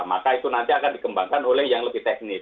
maka itu nanti akan dikembangkan oleh yang lebih teknis